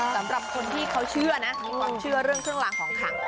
สำหรับคนที่เขาเชื่อนะมีความเชื่อเรื่องเครื่องรางของขัง